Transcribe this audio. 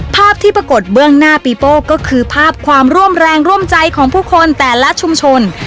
ภาพที่ปรากฏเบื้องหน้าปีโป้ก็คือภาพความร่วมแรงร่วมใจของผู้คนแต่ละชุมชน